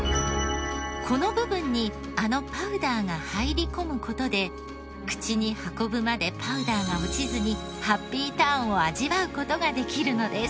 この部分にあのパウダーが入り込む事で口に運ぶまでパウダーが落ちずにハッピーターンを味わう事ができるのです。